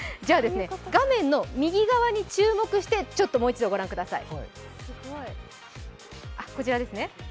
画面の右側に注目してご覧ください。